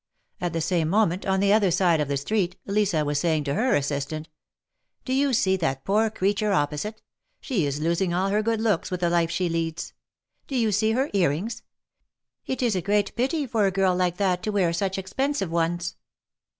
At the same moment, on the other side of the street, Lisa was saying to her assistant: '^Do you see that poor creature opposite? She is losing all her good looks with the life she leads. Do you see her ear rings? It is a great pity for a girl like that to wear such expensive ones."